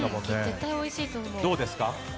絶対おいしいと思う。